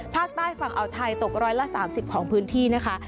ภาคใต้ฝั่งอ่าวไทยตกร้อยละ๓๐ของพื้นที่นะคะ